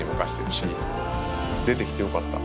出て来てよかった。